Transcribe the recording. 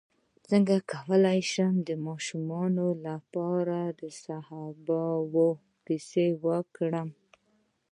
څنګه کولی شم د ماشومانو لپاره د صحابه وو کیسې وکړم